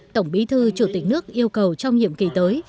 tổng bí thư chủ tịch nước yêu cầu trong nhiệm kỳ tới